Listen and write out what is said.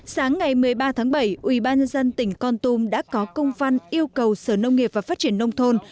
sáng ngày một mươi ba tháng bảy ubnd tỉnh con tum đã có công văn yêu cầu sở nông nghiệp và phát triển nông thôn